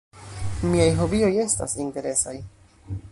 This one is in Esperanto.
Miaj hobioj estas interesaj.